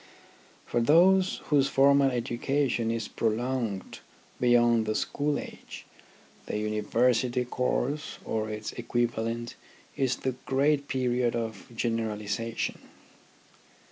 For those whose formal education is prolonged beyond the school age, the University course or its equivalent is the great period of generalization.